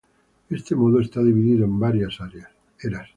Este modo está dividido en varias eras.